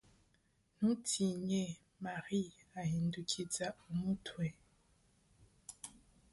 ntutinye, marie, ahindukiza umutwe